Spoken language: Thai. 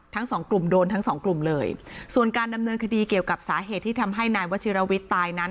ทั้งสองกลุ่มโดนทั้งสองกลุ่มเลยส่วนการดำเนินคดีเกี่ยวกับสาเหตุที่ทำให้นายวัชิรวิทย์ตายนั้น